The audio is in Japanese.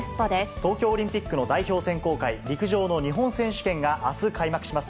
東京オリンピックの代表選考会、陸上の日本選手権が、あす開幕します。